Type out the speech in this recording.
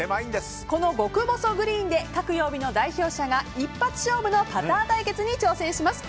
この極細グリーンで各曜日の代表者が一発勝負のパター対決に挑戦します。